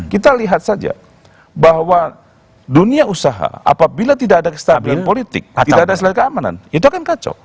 kita lihat saja bahwa dunia usaha apabila tidak ada kestabilan politik tidak ada selain keamanan itu akan kacau